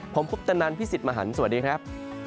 ผมคุปตนันพี่สิทธิ์มหันฯสวัสดีครับ